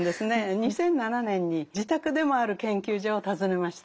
２００７年に自宅でもある研究所を訪ねました。